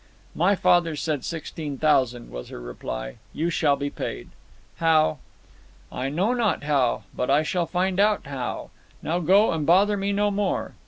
"My father said sixteen thousand," was her reply. "You shall be paid." "How?" "I know not how, but I shall find out how. Now go, and bother me no more.